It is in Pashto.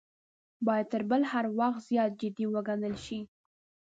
باید تر بل هر وخت زیات جدي وګڼل شي.